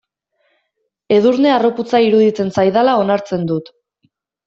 Edurne harroputza iruditzen zaidala onartzen dut.